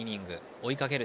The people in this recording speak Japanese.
追いかける